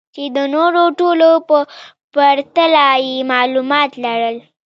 چې د نورو ټولو په پرتله يې معلومات لرل.